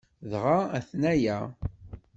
Dɣa aten-aya!